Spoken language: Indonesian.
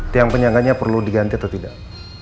tiang penyangganya perlu diganti atau tidak